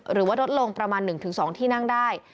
หรือว่าลดลงประมาณ๑๒ที่นั่งได้